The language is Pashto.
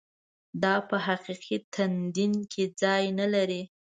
دا په حقیقي تدین کې ځای نه لري.